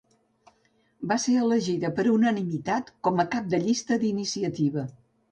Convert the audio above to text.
Va ser elegida per unanimitat com a cap de llista d'Iniciativa.